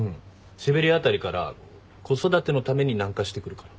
シベリア辺りから子育てのために南下してくるから。